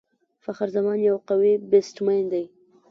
فخر زمان یو قوي بيټسمېن دئ.